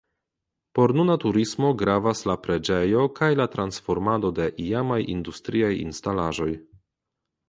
Por nuna turismo gravas la preĝejo kaj la transformado de iamaj industriaj instalaĵoj.